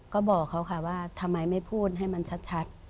ก็บอกเขาค่ะว่าทำไมไม่พูดให้มันชัด